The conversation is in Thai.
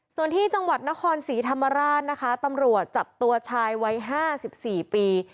ส่วนที่จังหวัดนครศรีธรรมราชนะคะตำรวจจับตัวชายวัย๕๔ปี